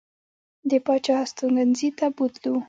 د پاچا هستوګنځي ته بوتلو.